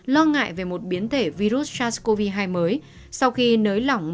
lo ngại về một biến thể virus sars cov hai mới